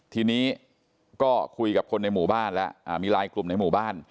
ทีนี้ก็คุยกับคนในหมู่บ้านแล้วมีลายกลุ่มในหมู่บ้าน